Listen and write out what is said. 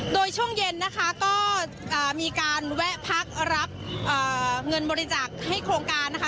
โดยช่วงเย็นนะคะก็มีการแวะพักรับเงินบริจาคให้โครงการนะคะ